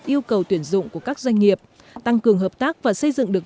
yêu cầu tuyển dụng của các doanh nghiệp tăng cường hợp tác và xây dựng được